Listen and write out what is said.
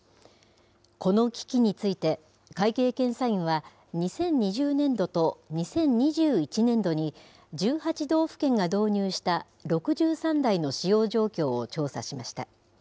この機器について、会計検査院は、２０２０年度と２０２１年度に１８道府県が導入した６３台の使用状況を調査しました。